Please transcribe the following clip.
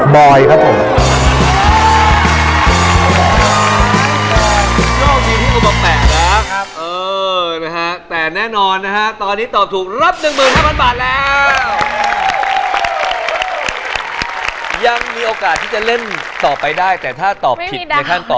บอยครับผม